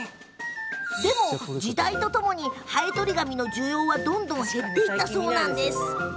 でも、時代とともにハエ取り紙の需要はどんどん減っていったそうなんです。